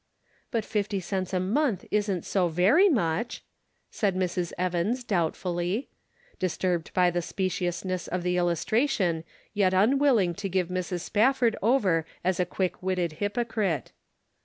" But fifty cents a month isn't so very much," said Mrs. Evans, doubtfully ; disturbed by the speciousness of the illustration, yet unwilling to give Mrs. Spafford over as a quick witted hypocrite.